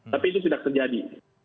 tapi itu tidak terjadi